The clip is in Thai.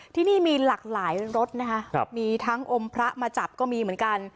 ที่นี่มีหลากหลายรถนะคะมีทั้งอมพระมาจับก็มีเหมือนกัน